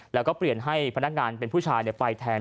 แล้วก็เปลี่ยนให้พนักงานเป็นผู้ชายไปแทน